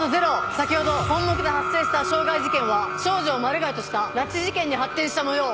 先ほど本牧で発生した傷害事件は少女をマルガイとした拉致事件に発展したもよう。